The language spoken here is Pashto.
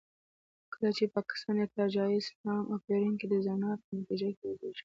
کله چې پاکستان د ارتجاعي اسلام او پیرنګۍ د زنا په نتیجه کې وزېږېد.